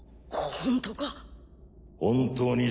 本当か？